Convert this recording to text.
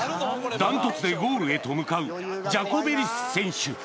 ダントツでゴールへと向かうジャコベリス選手